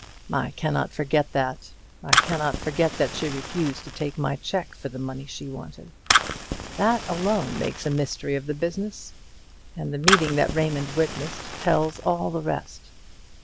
I cannot forget that; I cannot forget that she refused to take my cheque for the money she wanted. That alone makes a mystery of the business; and the meeting that Raymond witnessed tells all the rest.